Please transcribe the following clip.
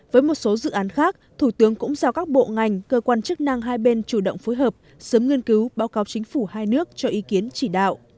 với một số dự án khác thủ tướng cũng giao các bộ ngành cơ quan chức năng hai bên chủ động phối hợp sớm nghiên cứu báo cáo chính phủ hai nước cho ý kiến chỉ đạo